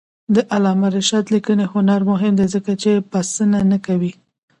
د علامه رشاد لیکنی هنر مهم دی ځکه چې بسنه نه کوي.